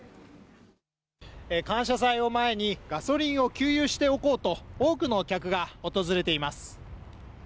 感謝祭を前にガソリンを給油しておこうと多くの客が訪れています。